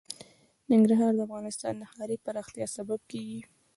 ننګرهار د افغانستان د ښاري پراختیا سبب کېږي.